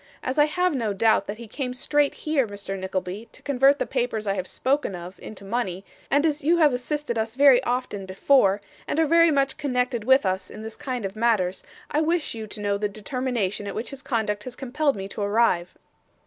As I have no doubt that he came straight here, Mr Nickleby, to convert the papers I have spoken of, into money, and as you have assisted us very often before, and are very much connected with us in this kind of matters, I wish you to know the determination at which his conduct has compelled me to arrive.